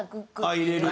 入れる。